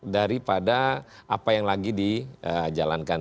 daripada apa yang lagi dijalankan